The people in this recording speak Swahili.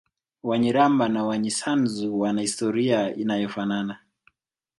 Wanyiramba na Wanyisanzu wana historia inayofanana